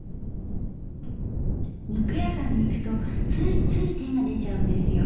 肉屋さんに行くとついつい手が出ちゃうんですよ